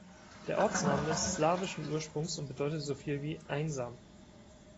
Der Ortsname ist slawischen Ursprungs und bedeutet so viel wie "einsam".